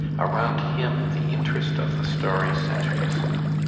Around him the interest of the story centres.